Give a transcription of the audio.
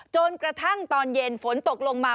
จนกระทั่งตอนเย็นฝนตกลงมา